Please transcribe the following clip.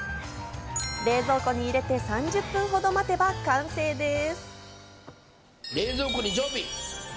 冷蔵庫に入れて３０分ほど待てば完成です。